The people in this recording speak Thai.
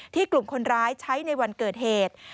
กลุ่มคนร้ายใช้ในวันเกิดเหตุ